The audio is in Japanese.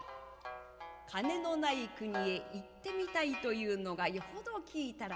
金のない国へ行ってみたいというのがよほど利いたらしい。